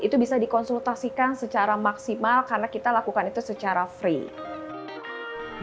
itu bisa dikonsultasikan secara maksimal karena kita lakukan itu secara free